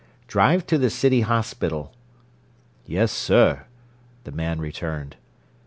"Drive to the City Hospital." "Yes, sir," the man returned.